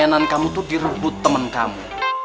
kebenaran kamu itu direbut temen kamu